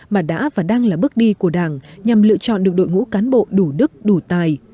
mà đã và đang là bước đi của đảng nhằm lựa chọn được đội ngũ cán bộ đủ đức đủ tài